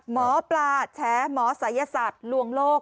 หมอปลาแฉหมอศัยศาสตร์ลวงโลก